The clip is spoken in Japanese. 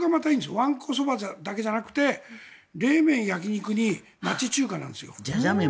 わんこそばだけじゃなくて冷麺、焼き肉に街中華なんですよ。